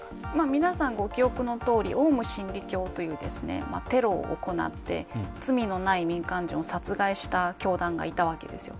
皆さんご記憶の通りオウム真理教というテロを行って、罪のない民間人を殺害した教団がいたわけですよ。